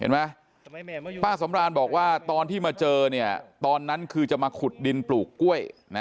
ป้าสำรานบอกว่าตอนที่มาเจอเนี่ยตอนนั้นคือจะมาขุดดินปลูกกล้วยนะ